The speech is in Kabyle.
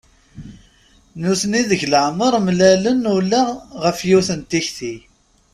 Nutni deg leɛmer mlalen-d ula ɣef yiwet n tikti.